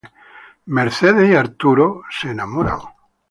Arturo y Mercedes se enamoran.